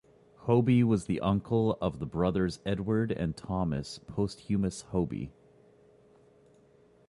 Hoby was the uncle of the brothers Edward and Thomas Posthumous Hoby.